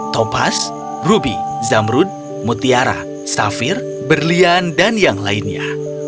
topas ruby zamrud mutiara safir berlian dan yang lainnya